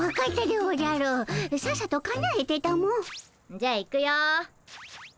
じゃあ行くよ。